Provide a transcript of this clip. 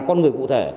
là con người cụ thể